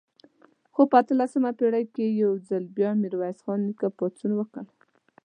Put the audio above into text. خو په اتلسمه پېړۍ کې یو ځل بیا میرویس خان نیکه پاڅون وکړ.